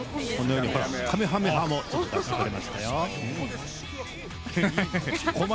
かめはめ波も出してくれましたよ。